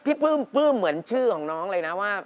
พี่ปลื้มปลื้มเหมือนชื่อของน้องเลยนะว่า